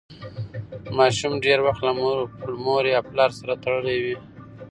ماشوم ډېر وخت له مور یا پلار سره تړلی وي.